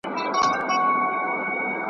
سلطانانو یې منلی منزلت وو `